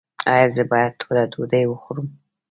ایا زه باید توره ډوډۍ وخورم؟